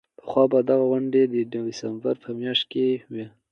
پخوا به دا غونډه د ډسمبر په میاشت کې وه.